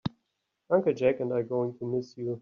Uncle Jack and I are going to miss you.